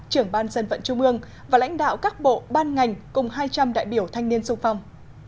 trưởng ban dân vận trung ương và lãnh đạo các bộ ban ngành cùng hai trăm linh đại biểu thanh niên sung phong